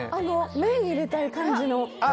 麺を入れたい感じの。